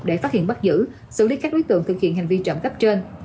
để phát hiện bắt giữ xử lý các đối tượng thực hiện hành vi trộm cắp trên